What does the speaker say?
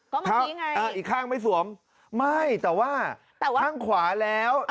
ก็มันนี้ไงอ่าอีกข้างไม่สวมไม่แต่ว่าแต่ว่าข้างขวาแล้วเออ